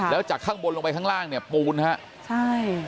แล้วจากข้างบนลงไปข้างล่างเนี่ยปูนฮะใช่